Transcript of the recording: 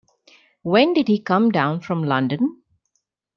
When did he come down from London?